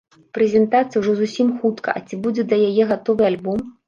Прэзентацыя ужо зусім хутка, а ці будзе да яе гатовы альбом?